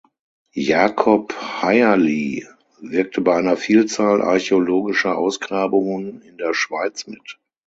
Jakob Heierli wirkte bei einer Vielzahl archäologischer Ausgrabungen in der Schweiz mit.